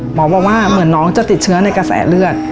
หมอบอกว่าเหมือนน้องจะติดเชื้อในกระแสเลือด